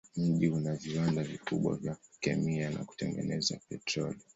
Mji una viwanda vikubwa vya kemia na kutengeneza petroli.